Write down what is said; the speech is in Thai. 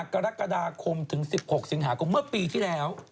กรกฎาคมถึง๑๖สิงหาคมเมื่อปีที่แล้ว